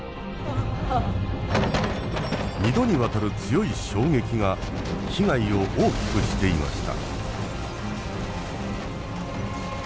２度にわたる強い衝撃が被害を大きくしていました。